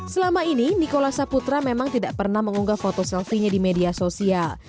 selama ini nikola saputra memang tidak pernah mengunggah foto selfie nya di media sosial